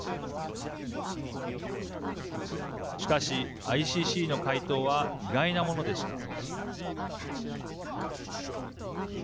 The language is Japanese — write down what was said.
しかし、ＩＣＣの回答は意外なものでした。